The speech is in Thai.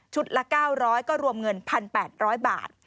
ละ๙๐๐ก็รวมเงิน๑๘๐๐บาท